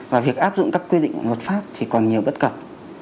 và việc áp dụng các quy định của luật pháp thì còn nhiều bất cập